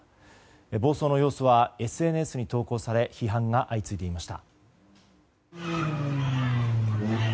暴走の様子は、ＳＮＳに投稿され批判が相次いでいました。